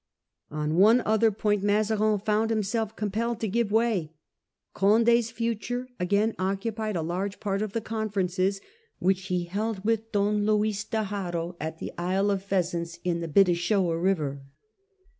On one other point Mazarin found himself compelled to give way. Condd's future again occupied a large part Restitution of the conferences which he held with Don of Condd. Luis d e Haro at the Isle of Pheasants in the Bidassoa river.